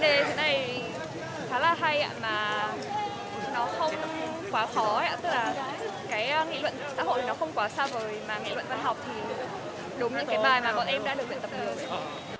đề thế này khá là hay mà nó không quá khó tức là nghị luận xã hội nó không quá xa với nghị luận văn học